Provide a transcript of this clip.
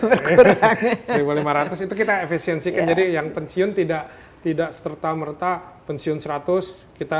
berkurang itu kita efisiensi jadi yang pensiun tidak tidak seterta mereta pensiun seratus kita